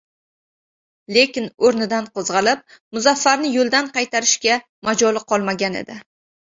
Lekin… o‘rnidan qo‘zg‘alib, Muzaffarni yo‘ldan qaytarishga majoli qolmagan edi.